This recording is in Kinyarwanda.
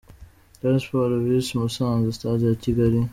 Rayon Sports vs Musanze – Stade ya Kigali.